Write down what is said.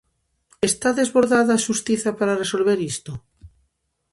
Está desbordada a xustiza para resolver isto?